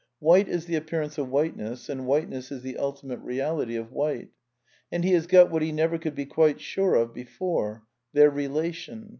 White is the appearance of white ness, and whiteness is the ultimate reality of white. And he has got what he never could be quite sure of before — their relation.